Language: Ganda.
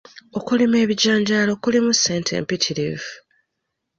Okulima ebijanjaalo kulimu ssente mpitirivu.